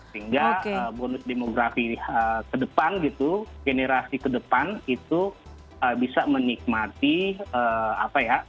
sehingga bonus demografi ke depan gitu generasi kedepan itu bisa menikmati apa ya